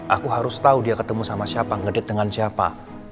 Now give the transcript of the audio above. aku harus tahu dia ketemu sama siapa ngedit dengan siapa